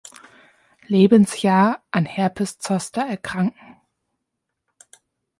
Lebensjahr an "Herpes Zoster" erkranken.